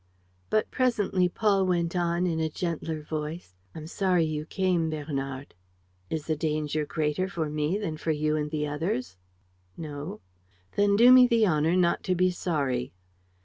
But presently Paul went on, in a gentler voice: "I'm sorry you came, Bernard." "Is the danger greater for me than for you and the others?" "No." "Then do me the honor not to be sorry."